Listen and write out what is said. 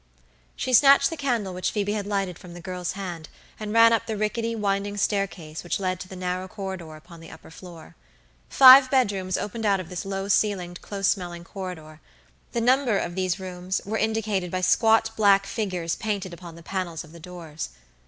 She snatched the candle which Phoebe had lighted from the girl's hand and ran up the rickety, winding staircase which led to the narrow corridor upon the upper floor. Five bed rooms opened out of this low ceilinged, close smelling corridor; the numbers of these rooms were indicated by squat black figures painted upon the panels of the doors.